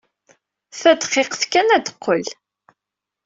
Tadqiqt kan ad d-teqqel.